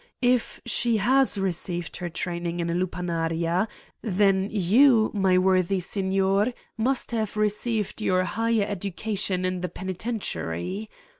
If she has received her train ing in a lupanaria, then you, my worthy signor, must have received your higher education in the penitentiary.